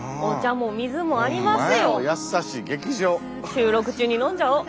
収録中に飲んじゃおう。